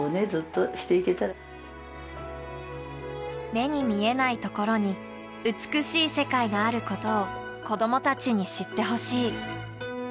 目に見えないところに美しい世界がある事を子どもたちに知ってほしい。